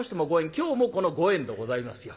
今日もこのご縁でございますよ。